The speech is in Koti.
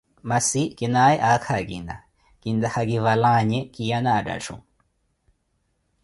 Massi khinaye akhaaka akina, kintaaka kivalanhe kiyane athaathu